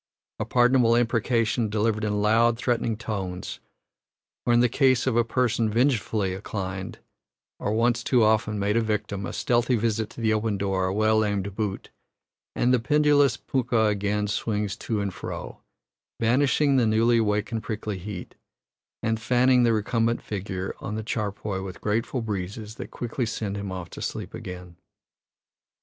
A pardonable imprecation, delivered in loud, threatening tones; or, in the case of a person vengefully inclined, or once too often made a victim, a stealthy visit to the open door, a well aimed boot, and the pendulous punkah again swings to and fro, banishing the newly awakened prickly heat, and fanning the recumbent figure on the charpoy with grateful breezes that quickly send him off to sleep again.